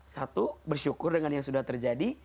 satu bersyukur dengan yang sudah terjadi